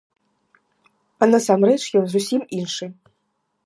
А насамрэч ён зусім іншы.